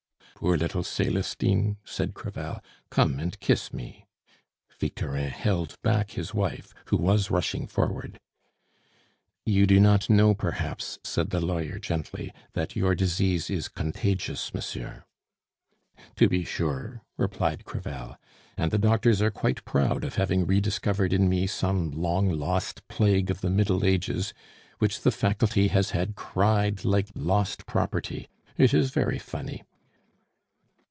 "Poor little Celestine!" said Crevel, "come and kiss me." Victorin held back his wife, who was rushing forward. "You do not know, perhaps," said the lawyer gently, "that your disease is contagious, monsieur." "To be sure," replied Crevel. "And the doctors are quite proud of having rediscovered in me some long lost plague of the Middle Ages, which the Faculty has had cried like lost property it is very funny!"